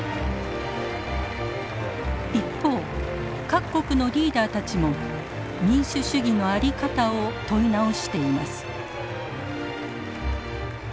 一方各国のリーダーたちも民主主義の在り方を問い直しています。